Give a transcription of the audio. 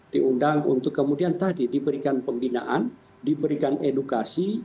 diundang untuk kemudian tadi diberikan pembinaan diberikan edukasi